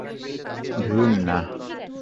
ধূর, না।